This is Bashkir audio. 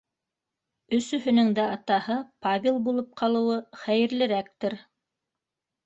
Өсөһөнөң дә атаһы Павел булып ҡалыуы хәйерлерәктер.